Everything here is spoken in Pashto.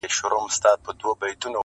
د اهریمن د اولادونو زانګو-